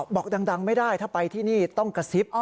บอกดังไม่ได้ถ้าไปที่นี่ต้องกระซิบ